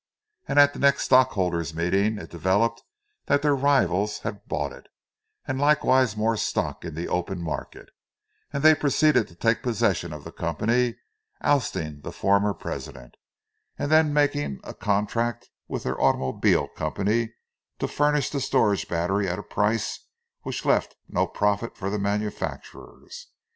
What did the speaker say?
And at the next stockholders' meeting it developed that their rivals had bought it, and likewise more stock in the open market; and they proceeded to take possession of the company, ousting the former president—and then making a contract with their automobile company to furnish the storage battery at a price which left no profit for the manufacturers!